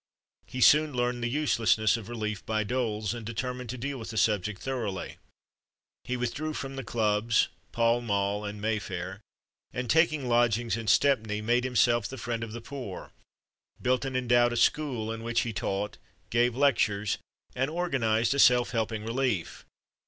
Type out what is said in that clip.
He soon learned the uselessness of relief by doles, and, determined to deal with the subject thoroughly, he withdrew from the clubs, Pall Mall, and Mayfair, and taking lodgings in Stepney, made himself the friend of the poor, built and endowed a school, in which he taught, gave lectures, and organized a self helping relief.